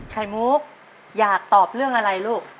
ไข่มุกอยากตอบเรื่องอะไรลูก